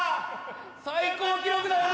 最高記録だよ